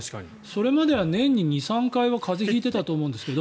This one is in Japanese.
それまでは年に２３回は風邪を引いていたと思うんですけど。